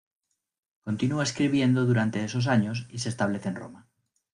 Continúa escribiendo durante esos años y se establece en Roma.